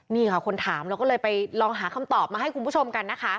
นี่ค่ะคนถามเราก็เลยไปลองหาคำตอบมาให้คุณผู้ชมกันนะคะ